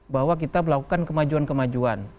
bahwa kita melakukan kemajuan kemajuan